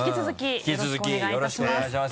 引き続きよろしくお願いします